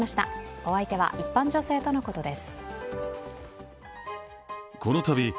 お相手は一般女性とのことです。